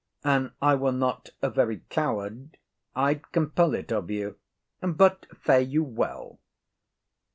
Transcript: And I were not a very coward I'd compel it of you; but fare you well.